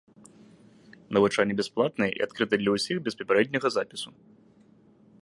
Навучанне бясплатнае і адкрыта для ўсіх без папярэдняга запісу.